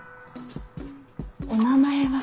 お名前は。